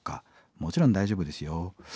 もちろん大丈夫ですよ。